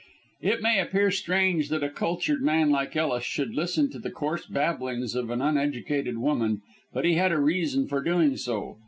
It may appear strange that a cultured man like Ellis should listen to the coarse babblings of an uneducated woman, but he had a reason for doing so.